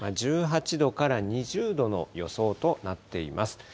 １８度から２０度の予想となっています。